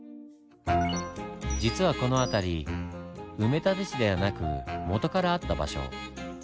実はこの辺り埋め立て地ではなくもとからあった場所。